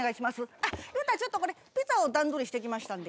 あっまたちょっとこれピザを段取りしてきましたんで。